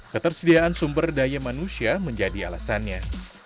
ketersediaan sumber daya manusia menjadi alasannya